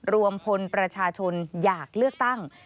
รวมพลประชาชนอยากเลือกตั้ง